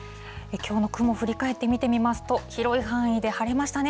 きょうの雲、振り返って見てみますと、広い範囲で晴れましたね。